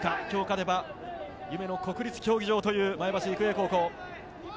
今日勝てば夢の国立競技場という前橋育英高校。